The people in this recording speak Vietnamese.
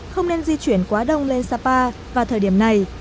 không nên di chuyển quá đông lên sapa vào thời điểm này